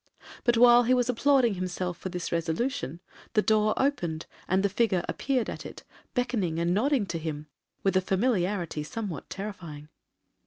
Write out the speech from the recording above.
But while he was applauding himself for this resolution, the door opened, and the figure appeared at it, beckoning and nodding to him, with a familiarity somewhat terrifying.